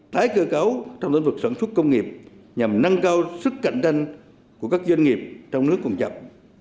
tái cơ cấu trong lĩnh vực sản xuất công nghiệp nhằm nâng cao sức cạnh tranh của các doanh nghiệp trong nước còn chậm